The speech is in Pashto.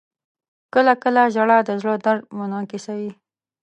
• کله کله ژړا د زړه درد منعکسوي.